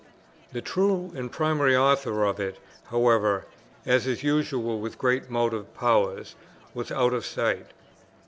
The true and primary author of it, however, as is usual with great motive powers, was out of sight.